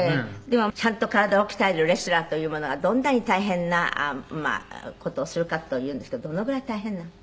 でもちゃんと体を鍛えるレスラーというものがどんなに大変な事をするかというんですけどどのぐらい大変な。